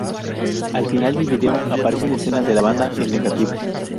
Al final del video aparecen escenas de la banda en negativo.